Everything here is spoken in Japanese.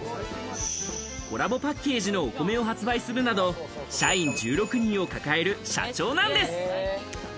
コラボパッケージのお米を発売するなど、社員１６人を抱える社長なんです。